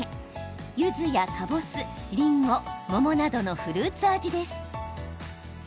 ゆずや、かぼす、りんご桃などのフルーツ味です。